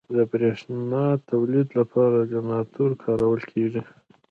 د برېښنا تولید لپاره جنراتور کارول کېږي.